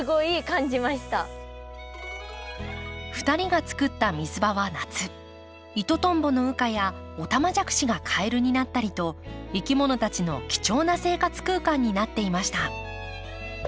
２人が作った水場は夏イトトンボの羽化やオタマジャクシがカエルになったりといきものたちの貴重な生活空間になっていました。